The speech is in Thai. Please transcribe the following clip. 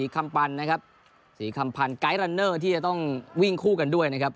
๔คำพันธ์ไกด์รันเนอร์ที่จะต้องวิ่งคู่กันด้วยนะครับ